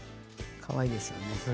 かわいいですよね。